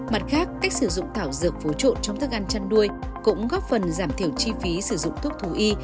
mặt khác cách sử dụng thảo dược phố trộn trong thức ăn chăn nuôi cũng góp phần giảm thiểu chi phí sử dụng thuốc thú y